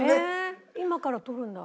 今から撮るんだ。